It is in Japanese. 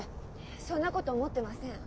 そんなこと思ってません。